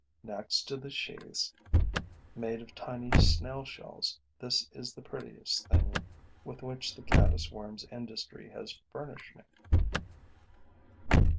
Next to the sheaths made of tiny snail shells, this is the prettiest thing with which the caddis worm's industry has furnished me.